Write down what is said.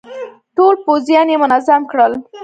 ټول پوځيان يې منظم کړل.